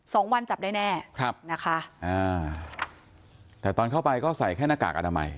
สองวันจับได้แน่ครับนะคะอ่าแต่ตอนเข้าไปก็ใส่แค่หน้ากากอนามัย